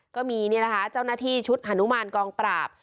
ก็มีนี่แหละฮะเจ้าหน้าที่ชุดหนุมานกองปราบ